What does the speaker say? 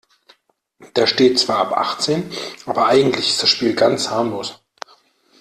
Da steht zwar ab achtzehn, aber eigentlich ist das Spiel ganz harmlos.